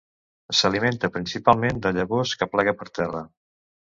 S'alimenta principalment de llavors que plega per terra.